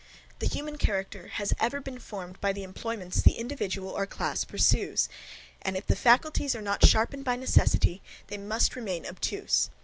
The human character has ever been formed by the employments the individual, or class pursues; and if the faculties are not sharpened by necessity, they must remain obtuse.